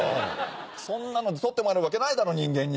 そんなので取ってもらえるわけないだろ人間に。